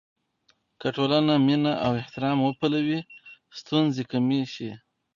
که ټولنه مینه او احترام وپلوي، ستونزې کمې شي.